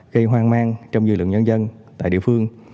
gây hoang mang trong dư lượng nhân dân tại địa phương